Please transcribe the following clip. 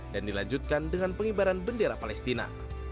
dilanjutkan dengan pengibaran bendera palestina